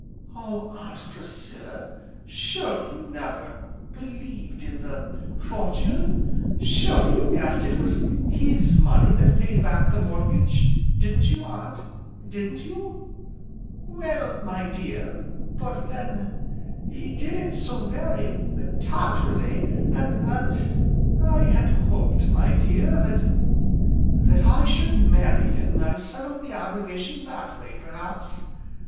"Oh Aunt Priscilla! surely you never believed in the fortune? Surely you guessed it was his money that paid back the mortgage, didn't you, Aunt, didn't you?" "Well, my dear . But then he did it so very tactfully, and and I had hoped, my dear that " "That I should marry him, and settle the obligation that way, perhaps?"